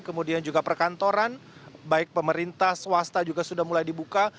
kemudian juga perkantoran baik pemerintah swasta juga sudah mulai dibuka